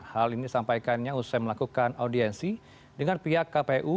hal ini disampaikannya usai melakukan audiensi dengan pihak kpu